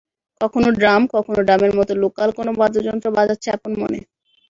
কখনো ড্রাম, কখনো ড্রামের মতো লোকাল কোনো বাদ্যযন্ত্র বাজাচ্ছে আপন মনে।